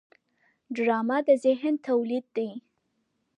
ډرامه د ذهن تولید دی